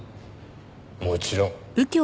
もちろん。